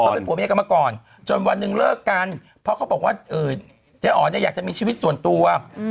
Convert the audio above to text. เขาเป็นผัวเมียกันมาก่อนจนวันหนึ่งเลิกกันเพราะเขาบอกว่าเจ๊อ๋อเนี่ยอยากจะมีชีวิตส่วนตัว